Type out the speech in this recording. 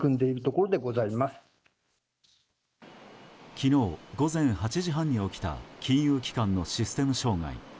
昨日午前８時半に起きた金融機関のシステム障害。